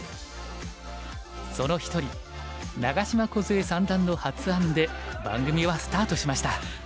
その一人長島梢恵三段の発案で番組はスタートしました。